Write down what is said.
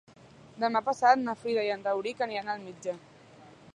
Demà passat na Frida i en Rauric aniran al metge.